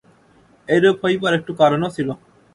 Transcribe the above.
এইরূপ হইবার একটু কারণও ছিল।